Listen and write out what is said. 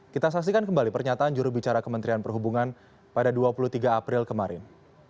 kita saksikan kembali pernyataan jurubicara kementerian perhubungan pada dua puluh tiga april kemarin